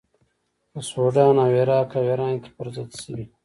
په سودان او عراق او ایران کې پر ضد شوې.